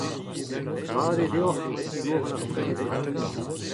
Mat eo deoc'h ma tigoran ar prenestr ?